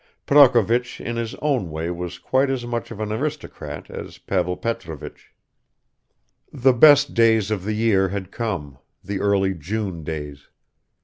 Prokovich in his own way was quite as much of an aristocrat as Pavel Petrovich. The best days of the year had come the early June days.